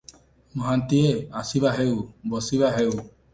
ମହାନ୍ତିଏ- ଆସିବାହେଉ, ବସିବା ହେଉ ।